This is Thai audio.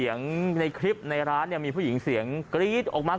ในคลิปในร้านเนี่ยมีผู้หญิงเสียงกรี๊ดออกมา